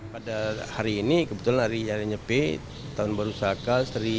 pada hari ini kebetulan hari ini nyepit tahun baru saka seribu sembilan ratus empat puluh satu